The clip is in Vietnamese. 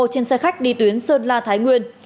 trên xe khách đi tuyến sơn la thái nguyên